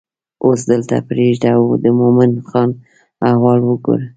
اوس دلته پرېږده او د مومن خان احوال وګوره.